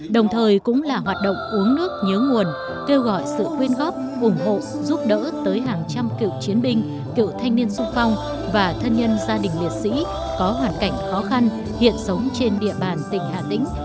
đồng thời cũng là hoạt động uống nước nhớ nguồn kêu gọi sự quyên góp ủng hộ giúp đỡ tới hàng trăm cựu chiến binh cựu thanh niên sung phong và thân nhân gia đình liệt sĩ có hoàn cảnh khó khăn hiện sống trên địa bàn tỉnh hà tĩnh